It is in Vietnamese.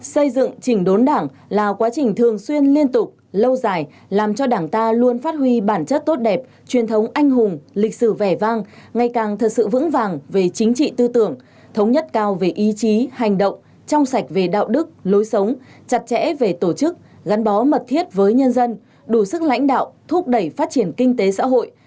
xây dựng trình đốn đảng là quá trình thường xuyên liên tục lâu dài làm cho đảng ta luôn phát huy bản chất tốt đẹp truyền thống anh hùng lịch sử vẻ vang ngày càng thật sự vững vàng về chính trị tư tưởng thống nhất cao về ý chí hành động trong sạch về đạo đức lối sống chặt chẽ về tổ chức gắn bó mật thiết với nhân dân đủ sức lãnh đạo thúc đẩy phát triển kinh tế xã hội